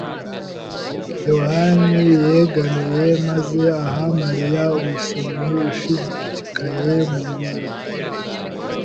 yohani yegamiye maze aha Mariya umusomyi ushishikaye ku munwa.